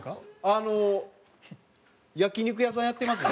あの焼肉屋さんやってます？